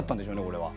これは。